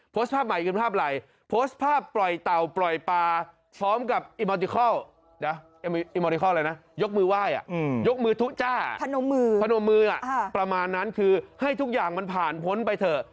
ผนมือผนมืออ่ะประมาณนั้นคือให้ทุกอย่างมันผ่านพ้นไปเถอะ